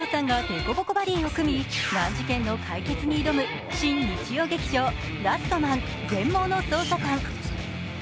福山雅治さんと大泉洋さんが凸凹バディを組み難事件の解決に挑む新日曜劇場「ラストマン−全盲の捜査官−」。